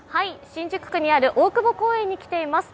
新宿区にある大久保公園に来ています。